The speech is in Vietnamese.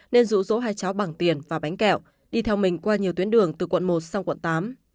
nên rụ rỗ hai cháu bằng tiền và bánh kẹo đi theo mình qua nhiều tuyến đường từ quận một sang quận tám